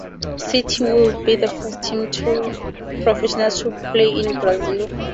City would be the first team of professionals to play in Brazil.